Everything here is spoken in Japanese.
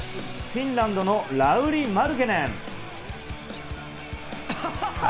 フィンランドのラウリー・マルティネン。